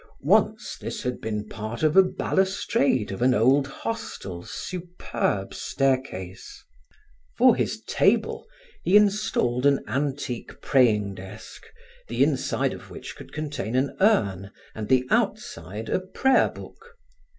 Once this had been part of a balustrade of an old hostel's superb staircase. For his table, he installed an antique praying desk the inside of which could contain an urn and the outside a prayer book.